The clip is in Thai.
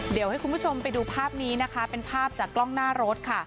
เดี๋ยวให้คุณผู้ชมไปดูภาพนี้นะคะเป็นภาพจากกล้องหน้ารถค่ะ